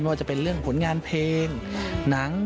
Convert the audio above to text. ว่าจะเป็นเรื่องผลงานเพลงหนัง